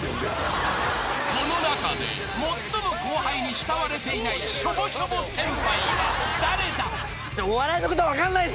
［この中で最も後輩に慕われていないしょぼしょぼ先輩は誰だ？］